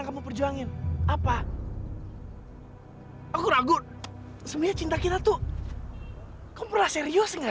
sampai jumpa di video selanjutnya